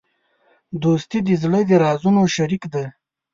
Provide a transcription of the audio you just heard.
دوستي د زړه د رازونو شریک دی.